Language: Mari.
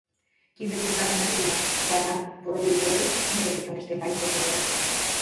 Кинде курикаже неле улмаш, садлан Воробей Воробеич мӱндыркӧ чоҥештен каен кертын огыл.